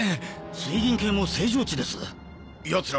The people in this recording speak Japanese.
水銀計も正常値ですやつら